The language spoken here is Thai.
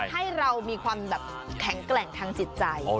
ให้เรามีความแบบแข็งแกร่งทางจิตใจ